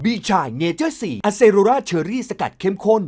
ชายเนเจอร์๔อเซโรราเชอรี่สกัดเข้มข้น